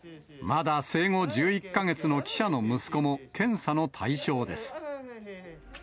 まだ生後１１か月の記者の息子も検査の対象です。